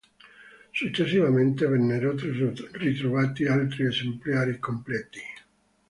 Successivamente vennero ritrovati altri esemplari completi.